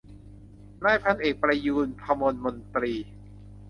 นายพันเอกประยูร ภมรมนตรี